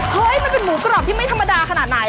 มันเป็นหมูกรอบที่ไม่ธรรมดาขนาดไหน